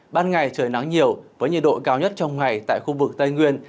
ban ngày trời nắng nhiều với nhiệt độ cao nhất trong ngày tại khu vực tây nguyên